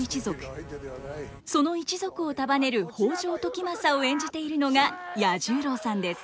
その一族を束ねる北条時政を演じているのが彌十郎さんです。